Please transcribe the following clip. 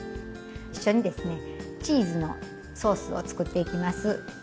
一緒にですねチーズのソースを作っていきます。